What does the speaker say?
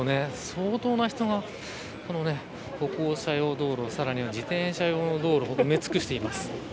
相当な人が歩行者用道路さらには、自転車用の道路を埋め尽くしています。